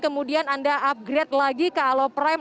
kemudian anda upgrade lagi ke aloprime